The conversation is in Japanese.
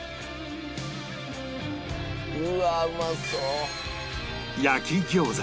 うわあうまそう！